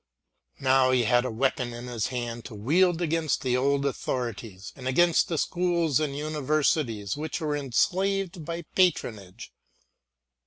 Now he had a weapon in his hand to wield against the old authorities and against the schools and universities which were enslaved by patronage.